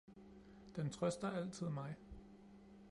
Den trøster altid mig